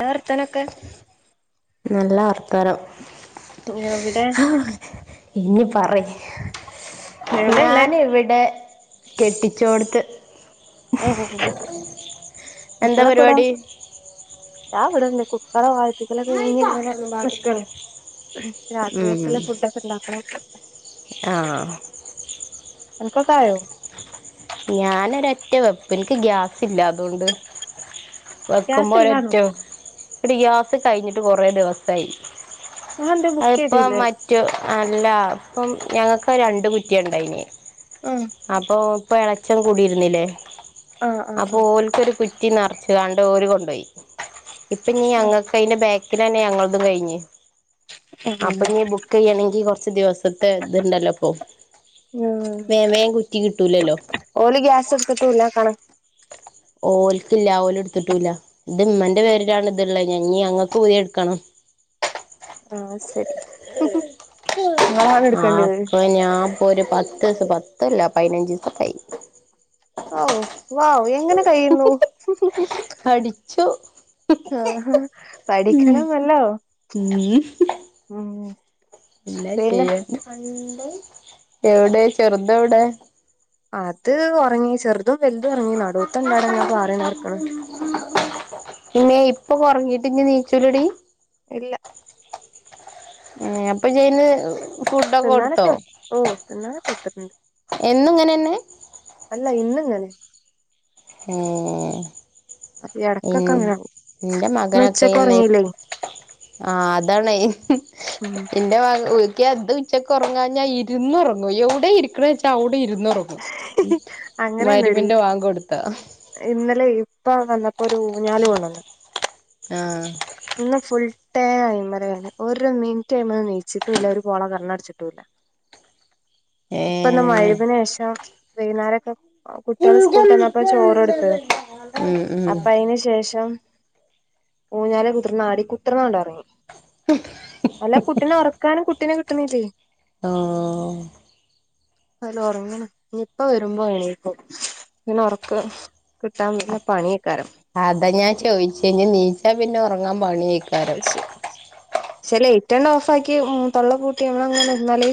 വർത്താനൊക്കെ നല്ല വർത്താനം എവിടെ ആഹ് ഇനി പറയ് ഞാന് ഇവിടെ എന്താ കുട്ടികളൊക്കെ എവിടാ പരിപാടി ഞാൻ ഇവിടെ കുക്കറ [unintelligible] [unintelligible] കഴിഞ്ഞ് ഇങ്ങനെ നിക്കാണ് ഉം രാത്രിയിലേക്കുള്ള ഫുഡ് ഒക്കെ ഉണ്ടാക്കണം ആ നിങ്ങക്കൊക്കെആയോ ഞാനൊരറ്റ വെപ്പ് എനിക്ക് ഗ്യാസ് ഇല്ല അതുകൊണ്ട് ഗ്യാസ് ഇല്ലാണോ വെക്കുമ്പോലൊറ്റ വെപ്പ് ഇല്ലടി ഗ്യാസ് കഴിഞ്ഞിട്ട് കൊറേ ദിവസായി നിങ്ങളെന്തേ ബുക്ക് അതിപ്പം ചെയ്തില്ലേ മറ്റു അല്ല ഇപ്പം ഞങ്ങൾക്ക് രണ്ട് കുറ്റിയുണ്ട് അതിന് ആഹ് അപ്പൊ ഇപ്പൊ ഇളച്ചം കൂടിയിരുന്നില്ലേ ആഹ് അപ്പൊ ആഹ് ഓൽക്കൊരു കു കുറ്റി നിറച്ച്‌ കണ്ട് ഓര് കൊണ്ടുപോയി ഇപ്പം ഇനിയും ആഹ് ഞങ്ങൾക്ക് അയിന്റെ ബാക്കിൽതന്നെ ഞങ്ങളുടേതും കഴിഞ്ഞ് ആഹ് അപ്പൊ ഇനീ ബുക്ക് ചെയ്യണെങ്കി കൊറച്ച്‌ ദിവസത്തെ ഇതുണ്ടല്ലോ ഇപ്പം ഉം വേഗം വേഗം കുറ്റി കിട്ടൂലല്ലോ ഓല് ഗ്യാസ് എടുത്തിട്ടും ഇല്ല കണ ഓൽക്കില്ല ഓല് എടുത്തിട്ടൂല്ല ഇത് ഉമ്മാന്റെ പേരിലാണ് ഇതുള്ളത് ഇനീ ഞങ്ങക്ക് പുതിയത് എടുക്കണം ആഹ് ശരി നിങ്ങളാണ് ആഹ് എടുക്കേണ്ടത് ഇപ്പം ഞാൻ ഇപ്പോ ഒരു പത്ത് പത്തല്ല പതിനഞ്ച് ദിവസം ആയി ഓ വൗ ഏ എങ്ങനെ കഴിയുന്നു അടിച്ചു ആഹാ പഠിക്കണംഅല്ലോ ഉം എന്നാ പിന്നെ ചെയ്യാ എവിടെ ചെറുത് എവിടെ അത് ഉറങ്ങി ചെറു ചെറുതും വലുതും ഉറങ്ങി നടുവത്തെ [unintelligible] പാടാണ് ഉറക്കാന് പിന്നെ ഇപ്പൊ ഉറങ്ങീട്ട് എനി [unintelligible] ഇല്ല ഉം അപ്പൊ ചെയിന് തിന്നാനൊക്കെ ഓ തിന്നാനൊക്കെ കൊടുത്തിട്ടുണ്ട് എന്നും ഇങ്ങനെന്നെ അല്ല ഇന്നിങ്ങനെ ഉം അത് ഇടക്കൊക്കെ അങ്ങെയാകും നിങ്ങള്‍ ഉച്ചക്ക ഉറങ്ങീല്ലേ ആഹ അതാണ് ഹി എന്റെ ഭാഗ [unintelligible] അത് ഉച്ചക്കെ ഉറങ്ങാഞ്ഞാ ഇരുന്നുന്ന് ഉറങ്ങും എവിടെ ഇരിക്കണ വെച്ചാൽ അവിടെ ഇ ഇരുന്ന് ഉറങ്ങും അങ്ങനെയന്നെടി മരുമിന്റെ വാങ്ങ് കൊടുത്തോ ഇന്നലെ ഇപ്പ വന്നപ്പോ ഒരു ഊഞ്ഞാൽ കൊണ്ടവന്ന് ആഹ് ഇന്ന് ഫുൽ തേ പറയ ഒരു മിനിറ്റ് ആയത് നെയയിച്ചിട്ടുംല്ല ഒരു പോള കണ്ണ് അടിച്ചിട്ടും ഇല്ല ഇപ്പ [unintelligible] ഏഹ് ശേഷം വൈകുന്നേരം ഒക്കെ ആ കുട്ടികള് സ്കൂള തന്നപ്പ ചോറ് എടുത്ത് ഉം ഉം അപ്പൊ അതിന് ശേഷം ഓ ഞാല കുതിർന്ന അടി കുതിർന്നണ്ടാ [unintelligible] അല്ല കുട്ടിനെ ഉറക്കാനും കുട്ടിനെ കി [unintelligible] ആഹ ഹലോ ഉറങ്ങന് ഉപ്പ വരുമ്പോ എണീക്കും പിന്നെ ഉറക്ക കിട്ടാൻ പിന്നെ ആഹ പണിയേക്കാരം അതാ ഞാൻ ചോയിച്ചെ ഇനി നീ റ്റാ പിന്നെ ഉറങ്ങാ അത് ശെ ശരിലെ റ്റലോഫാക്കി മ് തൊള്ള പൂട്ടി എമ്മളങ്ങനെ നിന്നാല്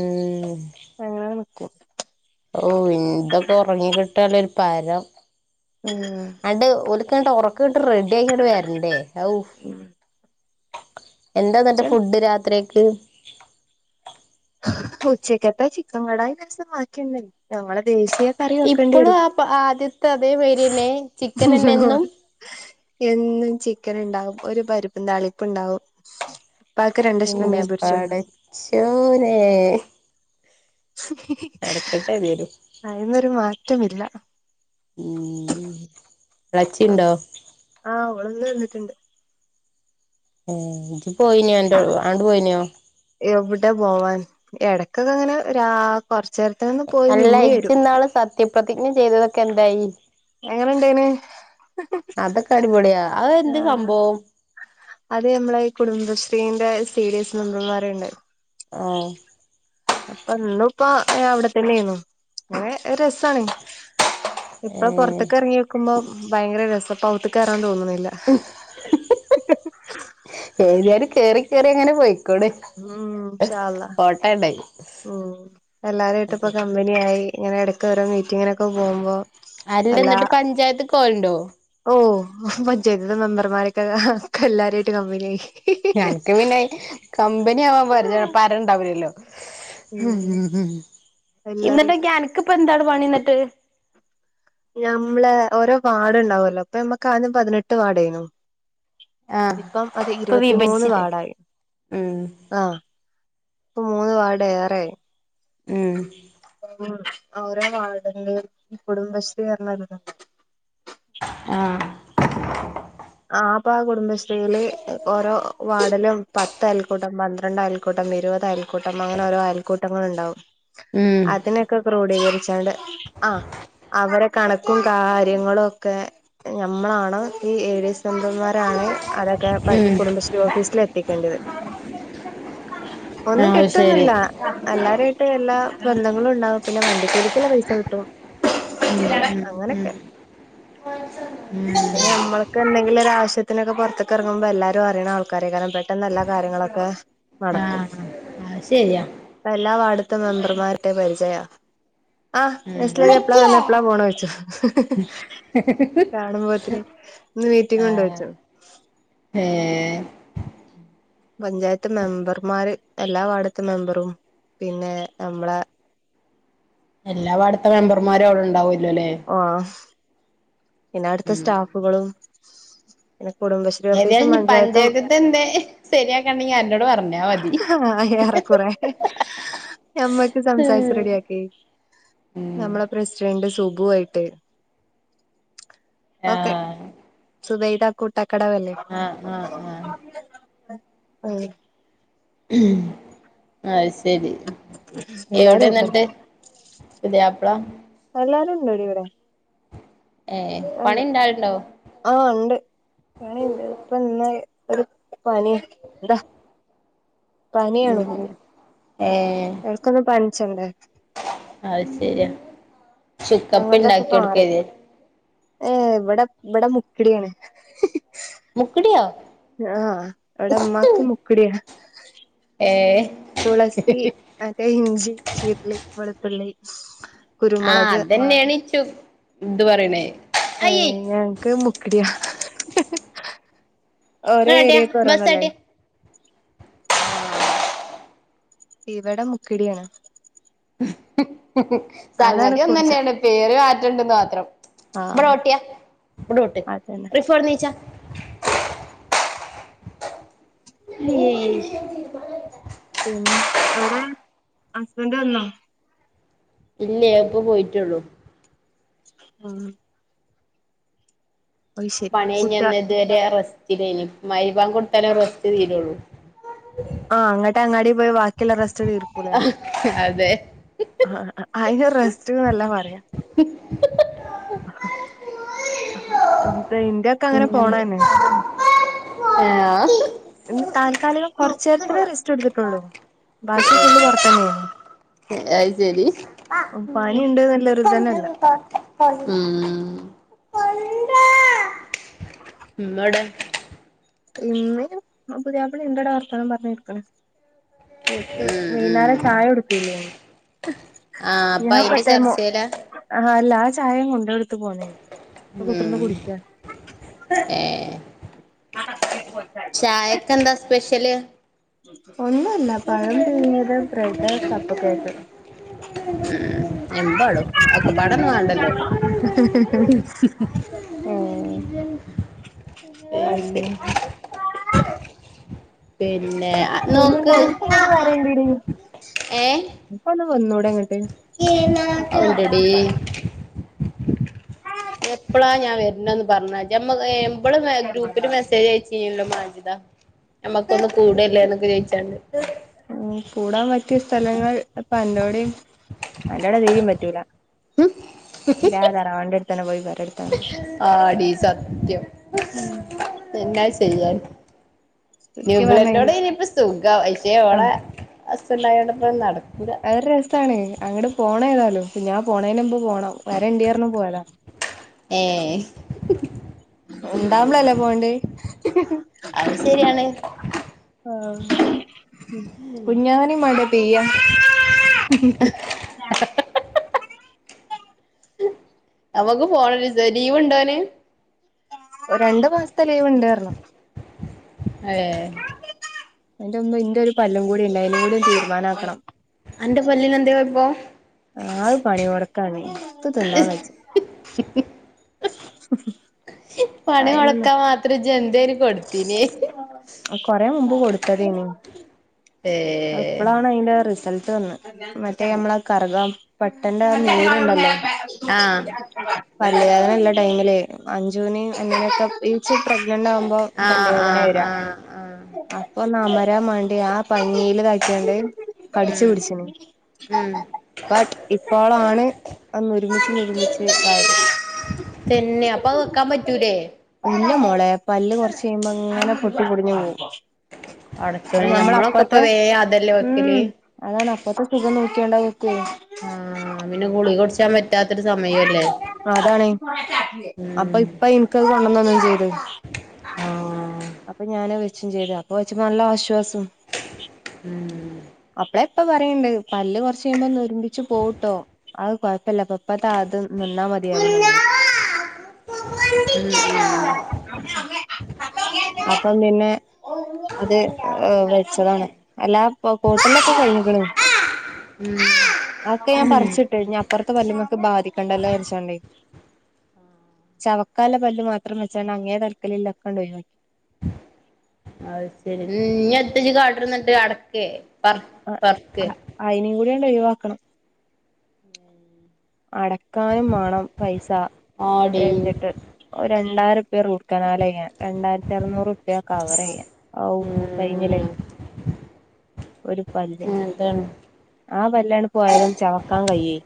ഉം അങ്ങനെ നിക്കും ഓഹ് ഇന്തൊക്കെ ഉറങ്ങി കിട്ടാൽലൊര് പരം. ഉം ക്ക് ഇങ്ങട്ട് ഒറക്ക്ങ്ട്ട് റെഡിയായി ഇങ്ങട് വര്ണ്ടേ ഔഹ് ഉം എന്താ ഇന്നട്ട് ഫുഡ് രാത്രി ക്ക്? ഉച്ചയ്ക്കത്തെ ചിക്കൻ കടായി ലേസം ബാക്കി ണ്ട്. ഞ്പ്പം ഞങ്ങള് ദേശീയ കറി വെക്കേണ്ടി ഇപ്പളും വരും ആ ആദ്യത്തെ അതേ വയ്ര്യന്നെ ചിക്കനന്നെ എന്നും. എന്നും ചിക്കന് ഇണ്ടാവും ഒരു പരിപ്പും താളിപ്പ് ണ്ടാവും. ഇന്റെ പടച്ചോ നേ ഏതായാലും അയ്ന്നൊരു മാ റ്റ മില്ല. ഊം ളെച്ചി ണ്ടോ? ആഹ് ഓളിന്ന് വന്നിട്ട്ണ്ട്. ഏഹ് ജും പോയിന്യോ അൻ്റൊ ആണ്ട് പോയി ന്യോ എവിടെ പോവാൻ എടക്കൊക്കെ അങ്ങനെ ഒരാ കൊറച്ച് അല്ല ഇജ്ജ് ഇന്നാള് സത്യപ്രതിജ്ഞ ചെയ്തതൊ എന്തായി എങ്ങനുണ്ടെന് അതൊക്കെ അടിപൊളിയാ അത് എന്ത് ആഹ് സംഭവം അതെ നമ്മളെ ഈ കുടുംബശ്രീന്റെ സീരിയസ് മെമ്പർമാരിണ്ട് ആഹ് അപ്പം ഇന്നുപ്പ അവിടെത്തന്നെയാരുന്നു ഇങ്ങനെ ഒരു രസാണ് ഏ ഇപ്പൊ പുറത്തൊക്കെ ഇറങ്ങി നിൽക്കുമ്പോ ഭയങ്കര രസം അപ്പോ അകത്തേക്ക് കേറാൻ തോന്നും എഴുതിയാലും കേറി കേറി അങ്ങനെ പോയി ഉം ഇൻശാ അല്ലാഹ് ഉണ്ടായി ഉം എല്ലാരും ആയിട്ടിപ്പം കമ്പനിയായി ഇങ്ങനെ ഇടക്ക് ഓരോ മീറ്റിങ്ങിനൊക്കെ പോകുമ്പോൾ. ആരുണ്ട് എന്നിട്ട് പഞ്ചായത്ത് പോകാറുണ്ടോ? ഓഹ് പഞ്ചായത്തിന്റെ മെമ്പർമാരെക്കെ എല്ലാരുമായിട്ട് കമ്പനിയായി. ഞനൊക്കെ പിന്നെ കമ്പനി ആവാൻ പരിച അപ്പം ആരുമുണ്ടാവില്ലല്ലോ. ഉം ഉം ഉം എല്ലാരായിട്ട് ഇന്നട്ടോക്കിയ അനക്കിപ്പം എന്താണ് പണിയെന്നിട്ട് നമ്മളെ ഓരോ വാർഡ് ഉണ്ടാകുവല്ലോ അപ്പൊ നമ്മക്ക് ആദ്യം പതിനെട്ട് വാർഡായീനു ആഹ് ഇപ്പം അത് ഇപ്പൊ ഇരുപത്തിമൂന്ന് വിഭജിച്ചില്ലേ വാർഡായി ഉം ആഹ്. ഇപ്പൊ മൂന്ന് വാർഡ് വേറെയാ ഉം ഉം ഓരോ വാർഡിന്റെയും കുടുംബശ്രീ പറഞ്ഞ ഒരിത്ണ്ടല്ലോ ആഹ് ആപ്പൊ ആ കുടുംബശ്രീയില് ഓരോ വാർഡിലും പത്ത് അയൽക്കൂട്ടം പന്ത്രണ്ട് അയൽക്കൂട്ടം ഇരുപതയയൽക്കൂട്ടം കൂട്ടം അങ്ങനെ ഓരോ ആൽക്കൂ ട്ടങ്ങള് ഉണ്ടാവും ഉം അതിനൊക്കെ ക്രോഡീകരിച്ചോണ്ട് ആഹ് അവരെ കണക്കും കാര്യങ്ങളും ഒക്കെ ഞമ്മളാണ് ഈ ഏ ടി എസ് കൊണ്ടുവന്നവരാണ് അതൊക്കെ ഉം കുടുംബശ്രീ ഓഫീസിൽ എത്തിക്കേണ്ടത്. ഒന്നും അത് ശരി കിട്ടുന്നില്ല എല്ലാരുമായിട്ട് എല്ലാ ബന്ധങ്ങളൾ ഉണ്ടാവും പിന്നെ വണ്ടിക്കൂലികുള്ള പൈസ കിട്ടും ഉം- അങ്ങനൊക്കെ ഉ -ഉ- ഉ എന്തേലും ഒരു ആവശ്യത്തിനക്കെ പുറത്തൊക്കെ ഇറങ്ങുമ്പോ എല്ലാരും അറിയണ ആൾക്കാരെക്കൊം പെട്ടെന്ന് നല്ല കാര്യങ്ങളൊക്കെ നടക്കും ആഹ് അത് ശരിയാ അ എല്ലാ വാടുത്ത ത്തെ മെമ്പർമാരുടെ പരിചയ ആ നസ്‌ല ഉം ജ്ജ് പ്പളാ വന്ന എപ്പഴാ പോണ ചോയ്ച്ചും കാണുമ്പോ തിന് [unintelligible] ഏ [unintelligible] പഞ്ചായത്ത് മെമ്പർമാര് എല്ലാ വാർഡത്തെ മെമ്പറും പിന്നെ നമ്മളെ എല്ലാ വാടുത്തെ മെമ്പർമാരും അവിടെ ഉണ്ടാവു- ആഹ് പിന്നെ അടുത്ത ഉം സ്റ്റാഫുകളും എ [unintelligible] ഏതായാലും നീ പഞ്ചായത് ന്തേ ശരിയാക്കാണ്ടെങ്കി അന്നോട് പറഞ്ഞ ആ ഏറെക്കുറെ നമ്മക്ക് സംസാരിച്ച് റെഡിയക്കെ ഉം നമ്മള പ്രസിര - ന്റെ സുബു ആയിട്ട് ആഹ സുബൈത കു- ട്ടക്കട വല്ലേ ആഹ് ആഹ് ആഹ അയ് ശ ശരി എല്ലാരും എവിടെ എത്തും ന്നട്ട് പുത്യപ്പളാ നോടി വിടെ പണി ണ്ട് ഇണ്ടാവലുണ്ടോ ആഹ ഇണ്ട് പണിണ്ട് ഇപ്പൊ ഇന്ന് ഒരു പണി ന്താ പനിയാണ് ഉം ഏ എടക്കൊന്ന് പനിച്ചണ്ടേ അത് ശരിയാ ചുക്കപ്പി ഉണ്ടാക്കി കൊടുക്ക ഏ ഇവിടെ ഇവിടെ മുക്കിടിയാണ് മുക്കടിയോ ആഹ് ഇവ്ടെ മ്മാക്ക് മുക്ക്ടിയാ ഏ തുളസി അതേ ഇഞ്ചി ചീർളി വെളുത്തുള്ളി ആ കുരുമുളക് അതെന്നെ എണിച്ചു എന്ത് പറണേ ഏ ഞങ്ങക്ക് മുക്കടിയാ [inaudible] ഓരോ ഇങ്ങാട്ടിയ ഏരിയക്ക് ബസ് ഓരോന്നല്ലേ ആട്ടിയ ഇവിടെ മുക്കിടിയാണ് അതാണ് സംഗതി കുടിച്ച ഒന്നെന്നെയാണ് പേര് മാറ്റണ്ടെന്ന് മാത്രം. ഇവടെ ആഹ് ഓട്ട്യാ ഇവടെ ഓട്ട് അതന്നെ റിഫു അവടന്ന് നീച്ച [inaudible] [unintelligible] പിന്നെ എവിടെ ഹസ്ബൻറ് വന്നോ ഇല്ലേ അ ഇപ്പൊ പോയിട്ടുള്ളു ആ പണി കഴിഞ്ഞ് കുട്ട വന്ന് ഇത്വരെ റസ്- ഇനി മരിബാങ്ക് കൊടുത്താലേ റസ്റ്റ് തീരുള്ളൂ ആ അങ്ങ അങ്ങാടി പോയി വാക്കിയിള്ള റസ് ആ അതെ ആഹ് അയിന് റെസ്റ്റ് നെല്ലാ പറയാ ഇൻ്റെ ഒക്കെ അങ്ങനെ പോണന്നെ ആഹ് ഇന്ന് താൽക്കാലികം കൊറച്ച് നേരത്തിനേ റെസ്റ്റ് എടുത്തിട്ടുള്ളൂ ബാക്കി ഫുള്ള് പൊറത്തെന്നെയേനി അയ് ശരി ഉം ഉണ്ട്ന്നുള്ളൊരു ഇതന്നെല്ല ഉം ഉമ്മ എവിടെ? ഇമ്മിം പുതിയാപ്പളിം എന്തൊരു വർത്താനം പറഞ്ഞിരിക്കണ് ഇക്ക് ഉം വൈനാരം ചായ ഉം കൊടുത്തില്ലേനി ആഹ് അപ്പൊ ഞാൻ അയിന്റെ പെട്ടന്ന് മോ ചർച്ചേലാ ആ ആല്ല അ ചായേം കൊണ്ടോട്ത്ത് ഉം ഏ ചായക്കെന്താ സ്പെഷ ഷ്യല് ഒന്നല്ല പഴം പുഴുങ്ങിയത് ബ്രെഡ് കപ്പകിഴങ്ങ് എമ്പാടും ഒക്കെപാടൊന്നും വേണ്ടല്ലോ ഏ അത് പിന്നെ ശരി പിന്നെ നോക്ക് നിന്നെന്താ ഒരു സൈഡ് വരേണ്ടിടി ഏ ഒന്നൂടെ [inaudible] ഉണ്ടെടി എപ്പളാ ഞാൻ വരുന്നന്ന് പറഞ്ഞ ഞമ്മ നമ്മള് ഗ്രൂപ്പില് മെസേജ് അയച്ചീല്ലോ ജി നമക്കൊന്ന് കൂടല്ലേ എന്നൊക്കെ ചോയിച്ചാണ്ട് ഉം കൂടാൻ പറ്റിയ സ്ഥലങ്ങൾ അപ്പ എൻ്റോടേയും അൻ്റോട് തീരേം പറ്റൂല [unintelligible] തറവണ്ട ട്ടാണ്ംപോയി വരാടി ആ ഡീ സത്യം ഉം എന്നാ ചെയ്യാൻ ശരിക്ക് പറഞ്ഞ യൂബിലൻ്റോടെ ഇനിപ്പ സുഖം അല്ല്യോ ഓളേ ആഹ് അസുണ്ടായോടെത്ര നടക്കൂല അതൊരു രസാണ് അങ്ങട് പോണ ഏതാലും ഇ ഞാൻ പോണേനുമ്പ് പോണം വര [unintelligible] ഏ ഇണ്ടാവുമ്പെൾ അല്ലെ പോവണ്ടെ അത് ശരിയാണ് ആ കുാനീ മട പെയയ നമുക്ക് പോണ ലീവ് ഉണ്ടോന രണ്ടു മാസത്തെ ലവുണ്ടായിരണം ഏ അതിന്റെ ഒന്ന്ും ഇന്റെ ഒരു പല്ലും കൂടി ഉണ്ട അതിും കൂടി തീരുമാനമാാക്കണം എന്റെ പല്ലീൽ എന്ത ഇപ്പോ ആ അത് പണി ഉറക്കാണ് ഇപ്പ തിന്നാൻ വച്ച സഫി പണി മുടക്കാൻ മാത്രം എന്തും കൊടുത്തന കൊടുത്തതനി ഇപ്പോഴാണ് അതിന്റെ റിസൾട്ട് ന്ന് മറ്റേ നമ്മള കറക പെട്ടന്റെ നീല ഉണ്ടല്ലോ ആഹ പല്ലേദനല്ല ടമില്േ അഞ്ചുൊക്കെഗ്നറ് ആ ആ ആ ആ അ വരാ വേണ്ടേ ആ പന്നീൽ കക്കണ്ട് കടിച്ചു ഉം പിടിച്ചന ഉം ബട്ട് ഇപ്പോളാണ് അന്ന് ഒരുമിച്ച്ൊ ഒരുമിച്ച് ഇതായത് തന്നെ അപ്പൊ അത് വെക്കാൻ പറ്റൂലേ ഇല്ല മോളെ പല്റച്ച് ചെയ്യുമ്പോ അങ്ങനെ കുട്ടി പിൊടിഞ്ഞു പാട ച്ചണ ഞമ്മളൊക്കെ ഇപ്പൊ വേയാ അതെല്ലേ വെക്കല് ഒക്കേണ്ട വയ ആഹ പിന്നെ ഗുളി കുൊടിച്ചാൻ പറ്റ അതാണ് അപ്പൊ ഉം ഇപ്പ എനക്ക്ത് കൊണ്ടന്നന്ന ശരി ആഹ് അപ്പൊ ഞൻ വെച്ചും ചെയ്ത അപ്പൊ വെച്ച നല്ല ആശ്വാസം ഉം അപ്പള ഇപ്പ പറയണ്ട് പല്ല് കൊറച്ച കഴിയുമ്പോന്ന്ൊരുമ്പിു പോട്ടോ അത് കൊഴപ്പില്ല അപ്പൊ ഇപ്പതാ അത് നിന്നാ മതിയായി ഞമ്മള് അപ്പൊ നിന്നെ അത് വെച്ചതാണ് അല്ലാ കൂട്ടലൊക്കെ കഴിഞ്ഞും അതൊക്കെ ഞാൻ പറിച്ചിട്ട്ഴ അപ്പുറത്തെ പല്ലുമൊക്കെ ബാധിക്കണ്ടല്ലോ വരിച്ചോണ്ട ചവക്കാല പല്ലല് മാത്രം വെച്ചോണ്ട് അങ്ങേ തൽക്കൊക്കെ ഉണ്ട അത് ശരി നീ എത്തച്ച കാട്ടിരന്നിട്ട് അടക്കേെ പർ പർക്ക് യഴിവാക്കണം അടക്കാനും വേണം പൈസ ആടീ രചിട്ട് രണ്ടായിര പേർ ചക്കനാലയ്യൻ രണ്ടായിരത്തി അറനൂറ് ഉപ്യ കവർയ്യാ ഔ കഴിഞ്ഞില്ലേ ഉം ഒരു പല്ല് അങ്ങൻത്താണ് ആ പല്ലാണ് പോയാലും ചവക്കാൻ കഴേ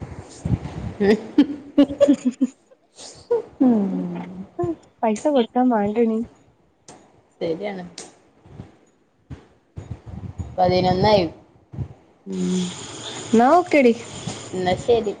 [unintelligible] [unintelligible] [unintelligible] [unintelligible] [unintelligible] ഉ പൈസ [unintelligible] കൊടുക്കാൻ വേണ്ടണ ശരിയാണ് പതിനൊന്ന്ായി നക്കടി [unintelligible] എന്ന ശരി